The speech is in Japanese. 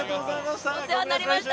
お世話になりました。